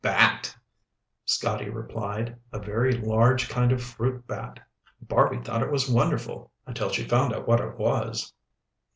"Bat," Scotty replied. "A very large kind of fruit bat. Barby thought it was wonderful until she found out what it was."